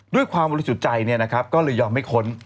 ด้วยความบริสุทธิ์ใจก็เลยยอมให้ค้น